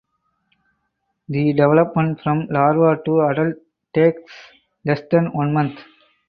The development from larva to adult takes less than one month.